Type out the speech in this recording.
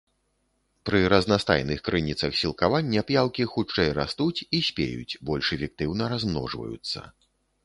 Пры разнастайных крыніцах сілкавання п'яўкі хутчэй растуць і спеюць, больш эфектыўна размножваюцца.